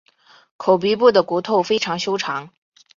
口鼻部的骨头非常修长。